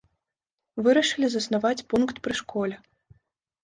Вырашылі заснаваць пункт пры школе.